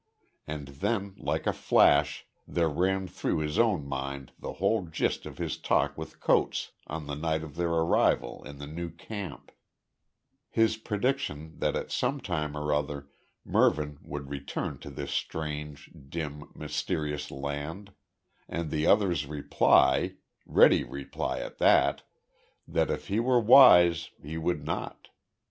And then, like a flash, there ran through his own mind the whole gist of his talk with Coates on the night of their arrival in the new camp his prediction that at some time or other Mervyn would return to this strange, dim, mysterious land, and the other's reply ready reply at that that if he were wise he would not.